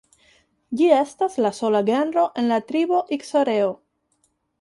Ĝi estas la sola genro en la tribo Iksoreo.